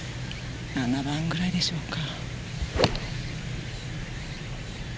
７番ぐらいでしょうか。